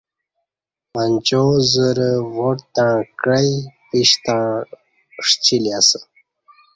منچا زرہ واٹ تݩع کعی پِیش تݩع ݜِلی اسہ